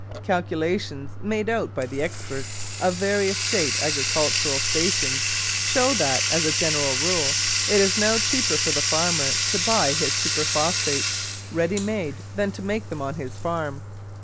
Calculations made out by the experts of various state agricultural stations show that, as a general rule, it is now cheaper for the farmer to buy his superphosphates ready made than to make them on his farm.